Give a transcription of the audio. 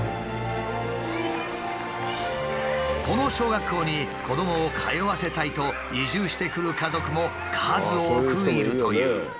この小学校に子どもを通わせたいと移住してくる家族も数多くいるという。